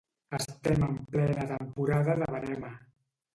Estem en plena temporada de verema.